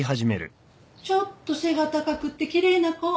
ちょっと背が高くて奇麗な子。